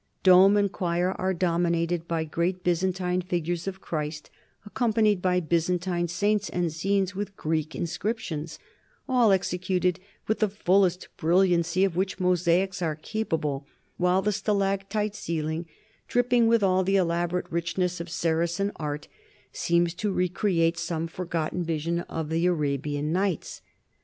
Dome and choir are dominated by great Byzantine figures of Christ, accompanied by Byzantine saints and scenes with Greek inscriptions, all executed with the fullest brilliancy of which mosaics are capable, while the stalactite ceiling, "dripping with all the elaborate richness of Saracen art," seems "to re create some forgotten vision of the Arabian Nights.